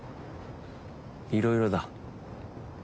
いろいろだ。